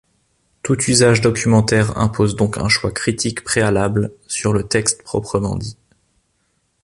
Tout usage documentaire impose donc un choix critique préalable sur le texte proprement dit.